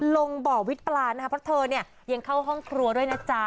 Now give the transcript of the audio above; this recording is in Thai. ลงบ่อวิทย์ปลานะคะเพราะเธอเนี่ยยังเข้าห้องครัวด้วยนะจ๊ะ